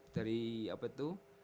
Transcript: dari apa itu